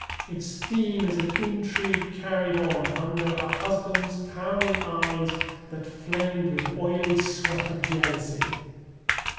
Its theme is an intrigue carried on under a Husband's towering eyes, That flamed with oily sweat of jealousy.